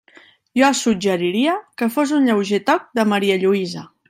Jo suggeriria que fos un lleuger toc de marialluïsa.